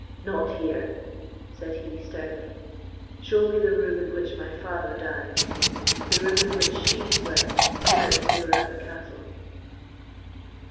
"Not here," said he, sternly; "show me the room in which my father died; the room in which SHE slept the night they were at the castle."